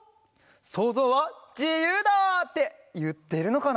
「そうぞうはじゆうだ！」っていってるのかな？